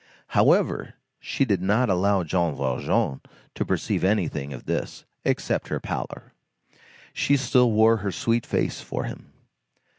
However, she did not allow Jean Valjean to perceive anything of this, except her pallor. She still wore her sweet face for him.